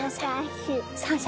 ３歳。